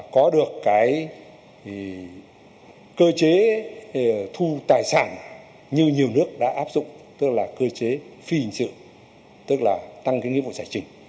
có được cái cơ chế thu tài sản như nhiều nước đã áp dụng tức là cơ chế phi hình sự tức là tăng cái nghĩa vụ giải trình